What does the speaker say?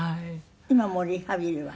今もリハビリは？